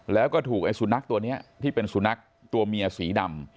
แล้วก็ถูกไอ้สุนัขตัวนี้ที่เป็นสุนัขตัวเมียสีดำ